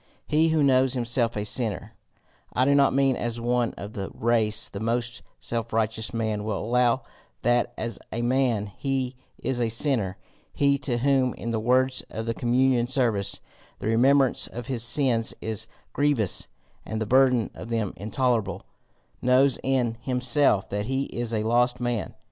He who knows himself a sinner I do not mean as one of the race the most self righteous man will allow that as a man he is a sinner he to whom, in the words of the communion service, the remembrance of his sins is grievous, and the burden of them intolerable, knows in himself that he is a lost man.